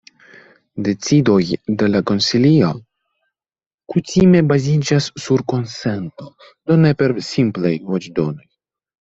Decidoj de la konsilio kutime baziĝas sur konsento, do ne per simplaj voĉdonoj.